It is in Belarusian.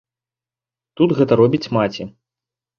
Тут гэта робіць маці.